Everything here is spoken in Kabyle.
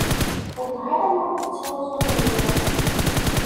Welleh ar am win yettruẓen adrar!